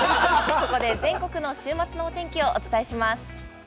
ここで全国の週末のお天気をお伝えします。